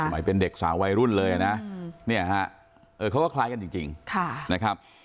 ไม่เป็นเด็กสาววัยรุ่นเลยนะเนี่ยฮะเขาก็คล้ายกันจริงนะครับ